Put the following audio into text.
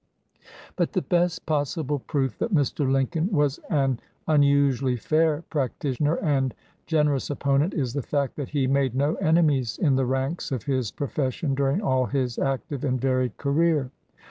But the best possible proof that Mr. Lincoln was an unusually fair practitioner and generous opponent is the fact that he made no enemies in the ranks of his profession during all his active and varied career.